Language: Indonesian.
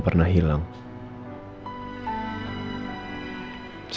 perhatikan settling list ya